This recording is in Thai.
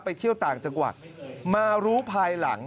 เที่ยวต่างจังหวัดมารู้ภายหลัง